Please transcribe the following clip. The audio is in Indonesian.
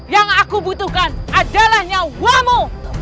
yang aku butuhkan adalah nyawamu